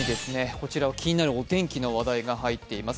こちらは気になるお天気の話題が入っています。